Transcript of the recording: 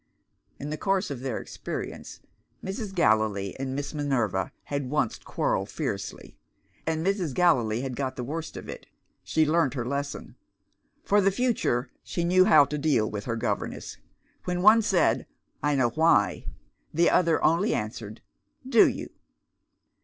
In the course of their experience, Mrs. Gallilee and Miss Minerva had once quarrelled fiercely and Mrs. Gallilee had got the worst of it. She learnt her lesson. For the future she knew how to deal with her governess. When one said, "I know why," the other only answered, "Do you?"